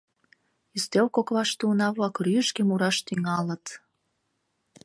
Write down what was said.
Ӱстел коклаште уна-влак рӱжге мураш тӱҥалыт.